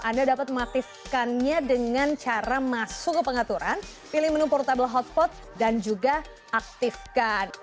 anda dapat mengaktifkannya dengan cara masuk ke pengaturan pilih menu portable hotpot dan juga aktifkan